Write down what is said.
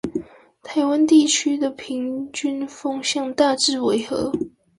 台灣地區的平均風向大致為何？